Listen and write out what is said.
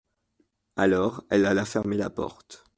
Alors, elle alla fermer la porte.